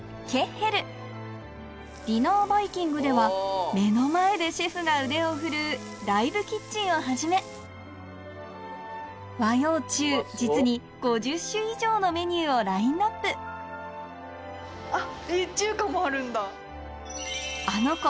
ディナーバイキングでは目の前でシェフが腕を振るうライブキッチンをはじめ和洋中実に５０種以上のメニューをラインアップアノ娘